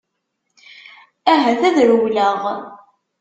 Ahat ad rewleɣ.